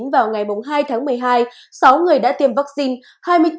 vào ngày hai tháng một mươi hai sáu người đã tiêm vaccine